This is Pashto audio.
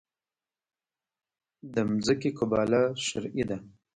د ځمکې قباله شرعي ده؟